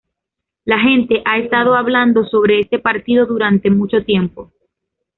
La gente ha estado hablando sobre este partido durante mucho tiempo.